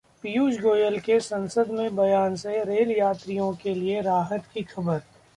पीयूष गोयल के संसद में बयान से रेल यात्रियों के लिए राहत की खबर